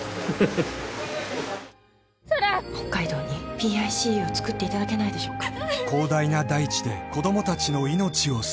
「沙羅」「北海道にＰＩＣＵを作っていただけないでしょうか」